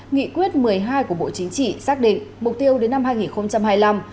nghị quyết một mươi hai của bộ chính trị xác định mục tiêu đến năm hai nghìn hai mươi năm